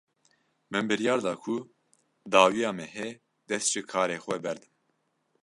Min biryar da ku dawiya mehê dest ji karê xwe berdim.